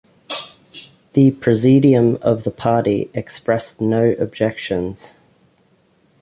The presidium of the party expressed no objections.